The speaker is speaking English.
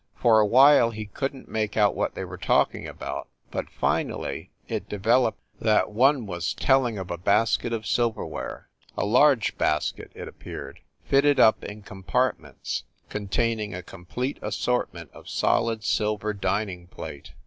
For a while he couldn t make out what they were talking about, but finally it devel oped that one was telling of a basket of silverware. A large basket, it appeared, fitted up in compart ments, containing a complete assortment of solid silver dining plate.